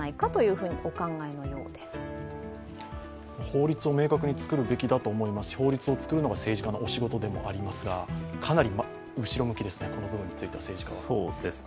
法律を明確に作るべきだと思いますし法律を作るのが政治家の仕事でもありますがかなり後ろ向きですね、この部分について政治家は。